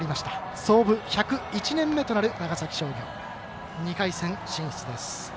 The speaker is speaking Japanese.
創部１０１年目となる長崎商業、２回戦、進出です。